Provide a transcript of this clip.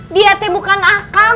dia teh bukan akang